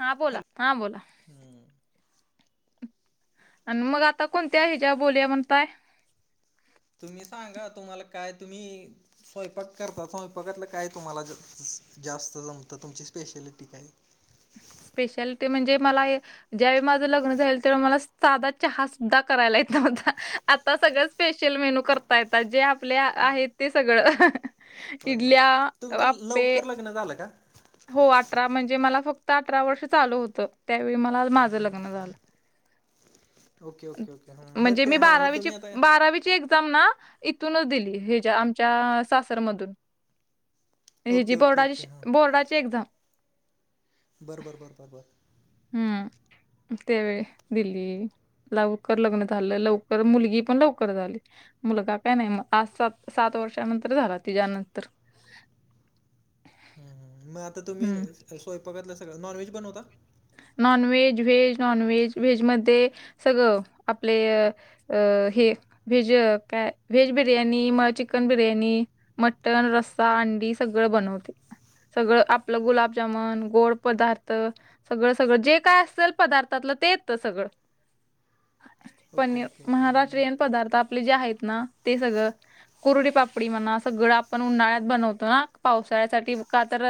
हा बोला हॅलो हां बोला. हम्म. अन मग आता कोणत्या हेज्या बोल्या म्हणताय? तुम्ही सांगा, तुम्हाला काय तुम्ही. स्वयंपाक करता. स्वयंपाकातलं काय तुम्हाला जास्त जमतं, तुमची स्पेशालिटी काय. स्पेशालिटी म्हणजे मला हे. ज्यावेळी माझं लग्न झालं, तेव्हा मला साधा चहा सुद्धा करायला येतं नव्हता. आता सगळं स्पेशल मेन्यू करता येतात जे आपले आहेत ते सगळं. इडल्या आप्पे. ‌ तिनं झालं का? हो अठरा म्हणजे, मला फक्त अठरा वर्ष चालू होतं. त्यावेळी मला माझं लग्न झालं. ओके ओके ओके हां मग म्हणजे ते मी हां मग बारावीची तुम्ही आता बारावीची एक त्यांना इथूनच दिली, हेच्या आमच्या सासरमधून. हिजी ओके ओके ओके बोर्डाशी हां बोर्डाची एक्झाम. बरं बरं बरं बरं बरं. [inaudible] त्या वेळी दिली लवकर लग्न झालं, लवकर मुलगी पण लवकर झाली. मुलगा काय नाही मग पाच सात सात वर्षानंतर झाला तिज्यानंतर हम्म हम्म मग आता तुम्ही हम्म. स्वयंपाकातला सगळं नॉनव्हेज बनवता? Non veg, veg non, veg मध्ये सगळं आपले. अ हे व्हेज काय, व्हेज बिर्याणी मग चिकन बिर्याणी. मटण रस्सा अंडी सगळं बनवते. सगळं आपलं गुलाबजामन गोड पदार्थ. सगळं सगळं जे काय असेल पदार्थातलं, ते येतं सगळं. ओके पनीर ओके ओके हां महाराष्ट्रीयन पदार्थ आपले जे आहेत ना, ते सगळं. कुरडी, पापडी म्हणा सगळं आपण उन्हाळ्यात बनवतो ना पावसाळ्यासाठी का तर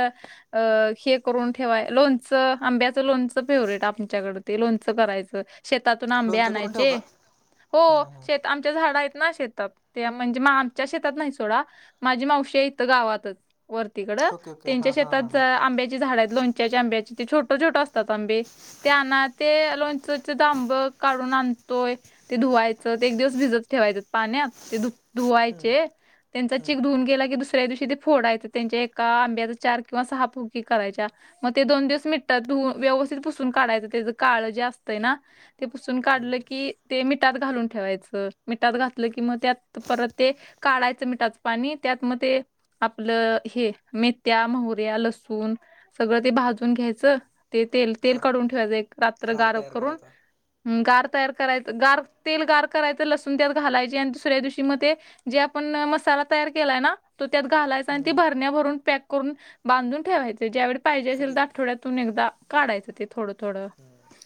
अ हे करून ठेवाय लोणचं आंब्याचं लोणचं फेवरेट आमच्याकडं, ते लोणचं करायचं. शेतातून आंबे लोणचं करून आणायचे. ठेवता हो हां हां शेत आम झाड आहेत ना शेतात ते म्हणजे, आमच्या शेतात नाही सोडा माझी मावशी इथं गावातच. वरतीकडं ओके ओके त्यांच्या हां हां हां शेतात हां आंब्याची झाड आहेत, लोणच्याच्या आंब्याची. छोट छोट असतात आंबे ते, आना ते लोणचचे जांब काढून आणतोय. ते धुवायचं ते एक दिवस भिजत ठेवायचं पाण्यात. ते धु हम्म, धुवायचे, त्यांचा हम्म, चीक धुऊून गेला की दुस दुसऱ्या दिवशी फोडायच. त्यांच्या एका आंब्याच्या चार किंवा सहा फुगी करायच्या. मग ते दोन दिवस मिठात धुवून, व्यवस्थित पुसून काढायचं. त्याचं काळ जे असतंय ना ते पुसून हम्म. काढलं की ते, मिठात घालून ठेवायचं. मिठात घातलं की मग त्यात परत ते, काढायचं मिठाचं पाणी, त्यात म ते. आपलं हे मेथ्या, मोहऱ्या, लसूण सगळं ते भाजून घ्याय चल ते तेल खार काढून ठेवायचं एक रात्र खार गार तयार करून. करायचा हम्म, गार तयार करायचं. गार तेल गार करायचं, लसूण त्यात घालायचे आणि दुसऱ्या दिवशी मग ते जे आपण मसाला तयार केलाय ना तो त्यात घालायचा आणि ती हम्म. भरण्या भरून पॅक करून बांधून ठेवायचं. ज्यावेेळी पाहिजे असेल तर ओके आठवड्यात एकदा काढायचं, ते थोडं थोडं.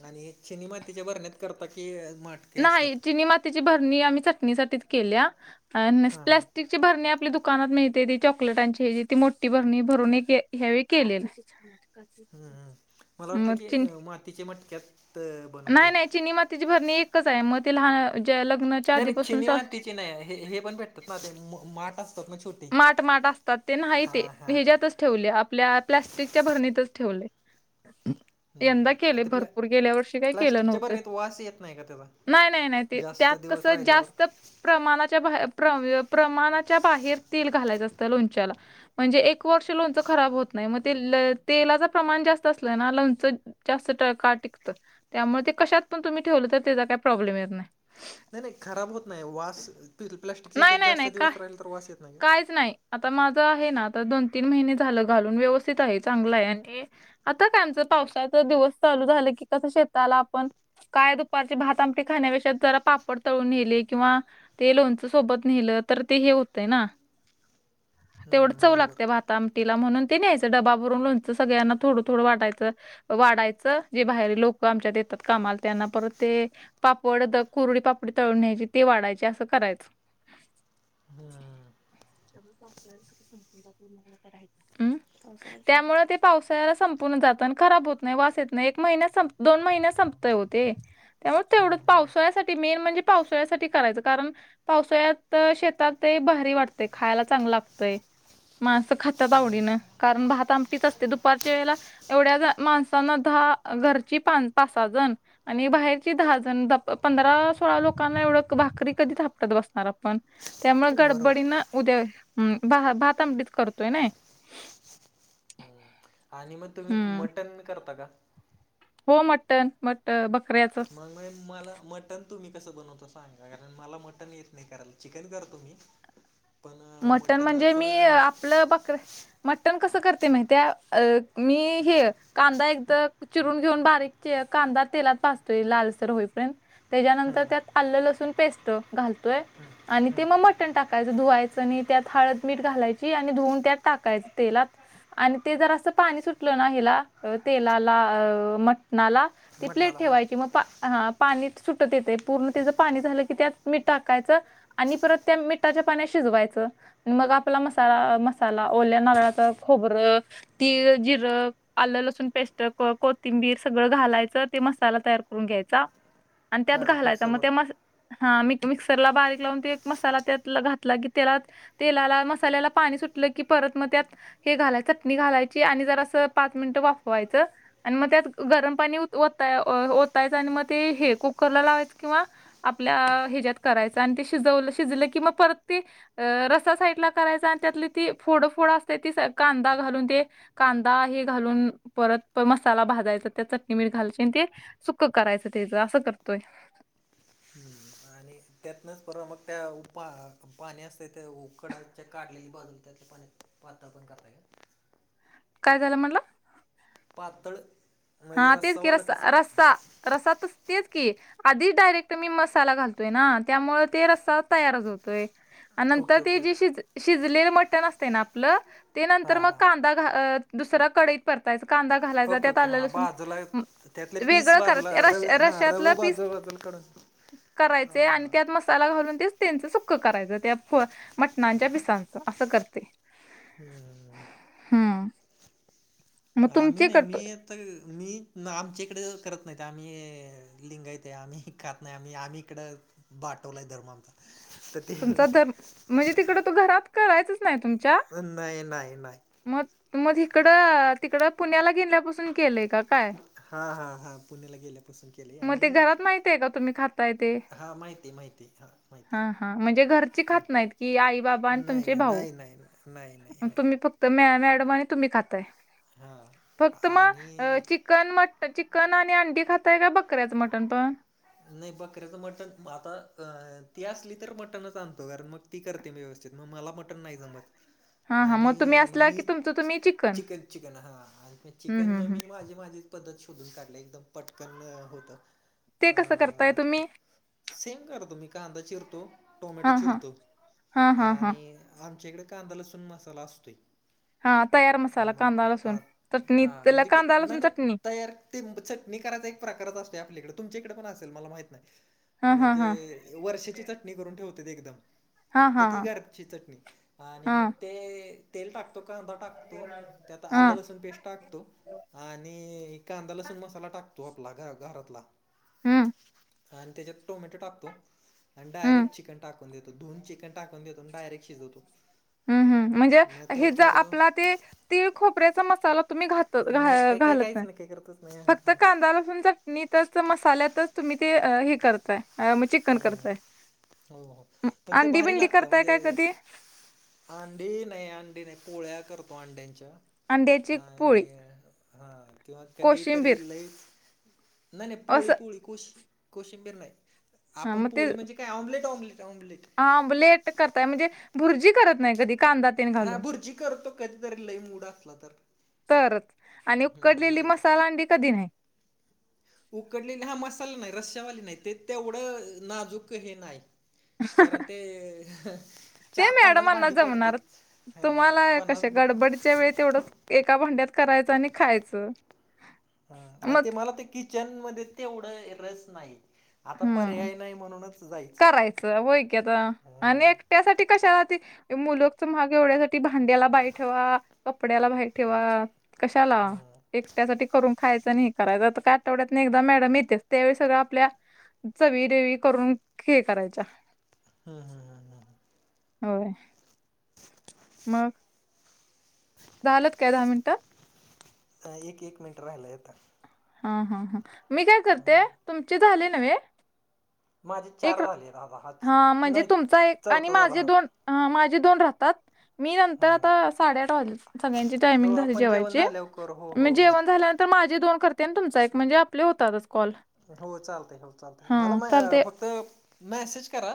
आणि चिनी मातीच्या भरण्यात करता की माठ? नाही चिनी मातीची भरणी आम्ही चटणीसाठीच केल्या. आन हां हां प्लास्टिक ची भरणी आपली दुकानात मिळते, ती चॉकलेटांची हेजी ती मोठी भरणी भरून एक ह्या वेळी केलेलं. [inaudible] हम हम. मला वाटलं की मातीच्या मटक्यात, बनवता नाही येईल. नाही चिनि मातिची भरणी एकच आहे, मग ती लहान लग्नाच्या नाही नाही आधीपासून. चिनी मातीचे नाही हे हे पण भेटतात ना ते माठ असतात ना छोटी माट माट असतात ते, नाही ते हेच्यातच ठेवले आपल्या. प्लास्टिकच्या भरणीतच ठेवले. हम्म. यंदा केलंय ते प्ला भरपूर, गेल्या वर्षी काही केलं प्लास्टिकच्या नव्हतं. बरणीत वास येत नाही का त्याचा नाही नाही नाही. टी. जास्त त्यात दिवस कसं राहिल्यावर जास्त प्रमाणाच्या बाहेर प्रमाणाच्या बाहेर तेल घालायचं असतं लोणच्याला. म्हणजे एक वर्ष लोणचं खराब होत नाही. मग तेल तेलाच प्रमाण जास्त असलं ना लोणच जास्त काळ टिकतं. त्यामुळं ते कशात पण तुम्ही ठेवलं, तर त्याचा काही प्रॉब्लेम येत नाही. नाही नाही खराब होत नाही. वास प्लास्टिकच्या ह्याच्यात नाही नाही जास्त नाही का दिवस राहिले, तर वास येत नाही का? काहीच नाही आता माझं आहे ना दोन तीन महिने झालं, घालून व्यवस्थित आहे चांगलं आहे आणि. आता काय आमचं पावसाचा दिवस चालू झालं की, कसं शेताला आपण. काय दुपारचे भात आमटी खाण्यापेक्षा, जरा पापड तळून नेले किंवा ते लोणचं सोबत नेलं तर, ते हे होतंय ना. तेवढं हम्म, चव बरोबर लागत्या, भात आम तिला म्हणून ते न्याचं डबा भरून लोणचं, सगळ्यांना थोडं थोडं वाटयचं. वाढायचं जे बाहेर लोक आमच्यात येतात. कामाला त्यांना परत ते, पापड द कुरडी, पापडी तळून घ्यायची ते वाढायचे असं करायचं. हम्म, [unintelligible] हम्म [inaudible] त्यामुळे ते पावसाळ्याला संपूनच जात आणि खराब होत नाही, वास येत नाही एक महिन्यात संप दोन महिन्यात संपते ओ ते. त्यामुळे तेवढं पावसाळ्यासाठी मेन म्हणजे, पावसाळ्यासाठी करायचं कारण पावसाळ्यात शेतात. ते भारी वाटतय खायला चांगलं लागतंय. माणसं खातात आवडीनं कारण भात आमटीच असते दुपारच्या वेळेला एवढ्या माणसांना दहा घरची पा पाच सा जण. आणि बाहेरची दहा जण धप पंधरा सोळा लोकांना एवढं भाकरी कधी थापटत बसणार आपण. त्यामुळे बरोबर गडबडीन उद्या भात आंमटीच करतोय नाही. हम्म आणि मग तुम्ही हम्म मटन मी करता का? हो मटन मट बकऱ्याचं. मग म मला मटन तुम्ही कसं बनवता सांगा कारण मला मटन येत नाही करायला चिकन करतो मी. [unintelligible] मटण म्हणजे मी मटणाचं आपलं बकर मटण कसं करते माहित्या अ मी हे कांदा एकदा चिरून घेऊन बारीक कांदा तेलात भाजतोय लालसर होईपर्यंत. त्याच्यानंतर त्यात आलं लसूण पेस्ट घालतोय आणि ते मग मटण टाकायचं धुवाय च आणि त्यात हळद मीठ घालायची आणि धुऊन त्यात टाकायच तेलात. आणि ते जर असं पाणी सुटलं ना हेला तेलाला अ मटणाला. ती प्लेट मटणाला हा ठेवायची मग पा हा पाणी सुटत येतय पूर्ण त्याचं पाणी झालं की त्यात मी टाकायचं. आणि परत त्या मिठाच्या पाण्यात शिजवायच. च मग आपला मसाला मसाला ओल्या नारळाच खोबरं. तीळ जिरं आलं लसूण पेस्ट को कोथिंबीर सगळं घालायचं ते मसाला तयार करून घ्यायचा. आणि त्यात बारीक घालायचा मग मिक्सरवर त्या हा मी मिक्सरला बारीक लावून ते एक मसाला त्यात घातला की त्याला तेलाला मसाल्याला पाणी सुटलं की परत मग त्यात हे घालाय चटणी घालायची आणि जरसा पाच मिनटं वाफवायचं. आणि मग त्यात गरम पाणी वो वोतायच आणि मग ते हे कुकर लावायच किंवा आपल्या ह्याच्यात करायच आणि ते शिजवलं शिजलं कि मग परत ते अ रसा साईडला करायचा आणि त्यातली ती फोडफोड असते ती कांदा घालून ते कांदा हे घालून परत पर मसाला भाजायचा त्या चटणी, मीठ घालाचीन ती सुक करायचं तेच असं करतोय. हम्म [unintelligible] आणि त्यातनच परवा मग त्या उपार पाणी असते ते उकडाच्या काढलेली बाजू त्याच्या पाणी वातळ पण करता येतय. काय झालं म्हटलं? पातळ म्हणजे हा तेच की रस्सावालं रस्सा कसं रस्सा रसा तर तेच की आधीच डायरेक्ट मी मसाला घालतोय ना त्यामुळे ते रस्ता तयारच होतोय. आणि नंतर ओके ते ओके जे ओके शिज शिजलेलं मटण असते ना आपलं. ते नंतर हां मग हां कांदा घा अ दुसरा कडईत परतायचा कांदा घालायचा ओके त्यात ओके आलं हां लसू बाजूला त्यातले पीस बाजूला र रश हा रव रश्यातलं पीस बाजूला बाजूला काढ करायचे आणि त्या मसाला घालून तेच त्यांचं सुक्क करायचं त्या पो मटणच्या पिसांचा असं करते. हम्म हम. [unintelligible] हम्म मग आम तुमचे नाही करतो मीत तर मी आमच्याकडे करत नाहीत आम्ही लिंगा येते आम्ही खात नाही आम्ही आम्ही इकडं बाठवलाय धर्मा आमचा. [unintelligible] तर ते तुमचा तर म्हणजे तिकडं तो घरात करायचच नाही तुमच्या? नाही नाही नाही मग मग हिकडं तिकडं पुण्याला गेल्यापासून केलंय का काय? हा हा हा. पुण्याला गेल्यापासून केले, मग ते आणि घरात माहित आहे का तुम्ही खाताय ते हा माहिती माहिती हां. माहिती हं. म्हणजे घरची खात नाहीत. की आई बाबा आणि तुमचे नाही भाऊ, नाही नाही नाही नाही हां तुम्ही फक्त. तर मॅ मॅडम तुम्ही खाताय. फक्त म हां हे आणि चि चिकन मट चिकन आणि, अंडी खाताय काय बकऱ्याच मटण पण. नाही बकऱ्याचं मटण आता‌ ती असली, तर मटणच आणतो कारण मग. ती करते मी व्यवस्थित, मग मला मटण नाही जमत. हा हा तुम्ही आणि मग असला मी की तुमचं तुम्ही चिकन चिकन हा, आणि हम्म चिकन मग हम्म हम् मी माझी माझी. पद्धत शोधून काढलंय, एकदम पटकन होतं. ते अ कसं करताय तुम्ही? सेम करतो मी कांदा चिरतो टोमॅटो हा हा चिरतो हा हा हा आणि आमच्या इकडं कांदा लसूण मसाला असतोय. हा तयार मसाला मग कांदा हां लसूण चटणी हां.. त्याला म्हणजे कांदा नाही लसूण नाही चटणी तयार. ते चटणी करायच एक प्रकारच असतोय आपल्याकडे, तुमच्या इकडे पण असेल मला माहित हा नाही हा म्हणजे. हा वर्षाची चटणी करून, ठेवत्यात एकदम. हा तर हा ती घरची चटणी, आणि हा मग ते तेल टाकतो कांदा टाकतो. खातो त्यात हा आलं लसूण पेस्ट. टाकतो. आणि कांदा लसूण मसाला टाकतो, आपला घरातला. हम्म. आणि त्याच्यात टोमॅटो टाकतो, आणि हम्म डायरेक्ट चिकन टाक धुवून चिकन टाकून देतो, डायरेक्ट शिजवतो. हम्म हम्म. म्हणजे नाही तर हे ज थोडंसं आपला ते तिळ खोपऱ्याचा मसाला तुम्ही घात तर नाही काही काही घाल-घालत काहीच नाही. काही करतच नाही फक्त कांदा लसुण चटणीतच मसाल्यातच तुम्ही ते हे करताय, मग चिकन हम्म. करताय. हो हो. म, पण ते अंडी भारी बिंडी लागतं करताय म्हणजे, काय कधी अंडी नाही अंडी नाही, पोळ्या करतो अंड्यांच्या. अंड्याची पोळी. हा, किंवा कधी तर कोशिंबीर लैच, नाही नाही पोळी असं पोळी. कोशि कोशिंबीर नाही, हा आपण पोळी म्हणजे काय? Omelette omelette omelette. ऑमलेट करताय म्हणजे, भुर्जी करत नाही कधी. कांदा तेन हा. घालून भुर्जी करतो कधीतरी लय मूड असला तर. तरचं आणि हम्म उकडलेली नाही तर. मसाला अंडी कधी नाही. उकडलेला हा मसाला नाही, रश्यावाली नाही ते तेवढं नाजूक हे नाही. कारण ते, त्या चार पन्नास मॅडमांना भांडी पडतेत. जमणारचं, हा तुम्हाला पन्नास कसे ब- गडबडीच्या वेळ तेवढंच. एका भांड्यात करायचं आणि खायचं. हा. मग ते मला तर किचन मध्ये तेवढं, रस नाही. आता पर्याय नाही, म्हणूनच जायचं. जाऊया की आता, हा आणि एकट्यासाठी कशाला ते. मुलूकच महाग एवढ्यासाठी, भांड्याला बाई ठेवा कपड्याला बाई ठेवा. कशाला हा एक, त्यासाठी करून खायचं नाही हे करायचं तर, आठवड्यात एकदा मॅडम येत्याचं. त्यावेळी सगळं आपल्या. चवी रेवी करून हे करायचा. हम् हम् हम हम. होय मग. झालत काय, दहा मिनिटं. अ एक एक मिनिट राहिलाय आता. हा हा हा. मी काय करते, तुमचे झाले‌ न्हवे. माझे चार एक झाले दादा हा म्हणजे, नाही तुमचा एक आणि चौथा झाला माझे हा दोन माझे दोन राहतात. मी नंतर हम्म. आता साडेआठ वाजले, सगळ्यांची टायमिंग झाली आपण जेवण जेवायची. झाल्यावर तर कर हो हो हो हो. तर माझे दोन करते आणि तुमचा एक म्हणजे आपले होतातच कॉल. हो चालतंय हो चालतंय. हां मला अ फक्त मेसेज करा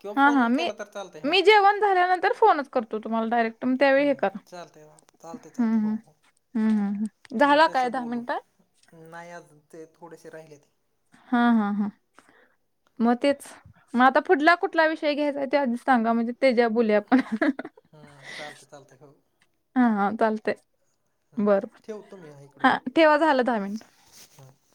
किंवा हा हा. फोन मी केला तर चालतंय हा मी जेवण झाल्यानंतर फोनच करतो तुम्हाला डायरेक्ट. मग त्यावेळी हम्म हे करा चालतंय बघा चालतंय चालतंय हो हो. हम्म हम्म हम्म. मग झाला काय त्याचं दहा बोलू मिनिटं? नाही आजून ते थोडेसे राहिलेती. हा हा हा. मग तेच मग आता पुढला कुठला विषय घ्यायचा. ते आधीच सांगा म्हणजे, तेज्यावर बोलुया आपण चालते चालते हो हा चालतंय. बर बर ठेवतो मी इकडून हा ठेवा झालं दहा मिनिट. हं.